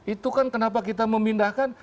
itu kan kenapa kita memindahkan